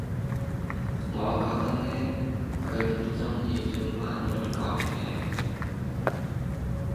我覺得呢，佢唔中意轉彎抹角嘅